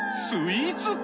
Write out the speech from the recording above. スイーツ！